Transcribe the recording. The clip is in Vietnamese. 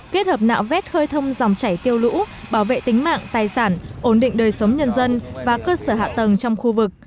kết hợp nạo vét khơi thông dòng chảy tiêu lũ bảo vệ tính mạng tài sản ổn định đời sống nhân dân và cơ sở hạ tầng trong khu vực